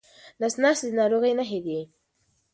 نس ناستي د ناروغۍ نښې دي.